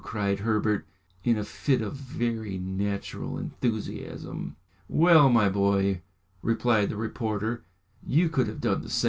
cried Herbert, in a fit of very natural enthusiasm. "Well, my boy," replied the reporter, "you could have done the same."